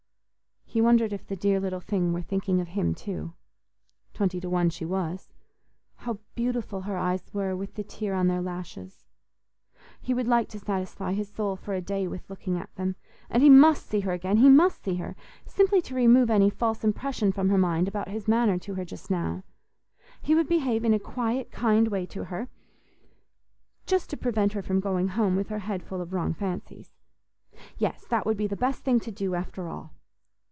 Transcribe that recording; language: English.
He wondered if the dear little thing were thinking of him too—twenty to one she was. How beautiful her eyes were with the tear on their lashes! He would like to satisfy his soul for a day with looking at them, and he must see her again—he must see her, simply to remove any false impression from her mind about his manner to her just now. He would behave in a quiet, kind way to her—just to prevent her from going home with her head full of wrong fancies. Yes, that would be the best thing to do after all.